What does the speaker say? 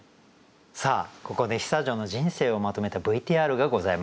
さあここで久女の人生をまとめたＶＴＲがございます。